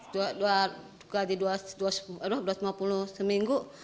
dua gaji rp dua lima puluh seminggu